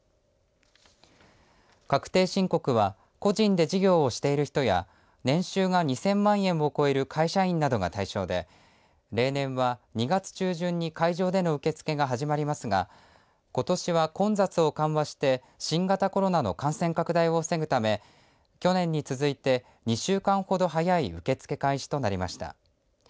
確定申告は個人で事業をしている人や年収が２０００万円を超える会社員などが対象で例年は２月中旬に会場での受け付けが始まりますがことしは、混雑を緩和して新型コロナの感染拡大を防ぐため去年に続いて２週間ほど早い受け付け開始となりました。